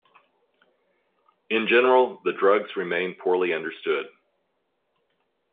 In general, the drugs remain poorly understood.